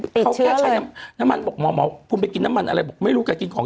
ติดเชื้อเลยน้ำมันบอกหม่อหม่อคุณไปกินน้ำมันอะไรบอกไม่รู้แกกินของ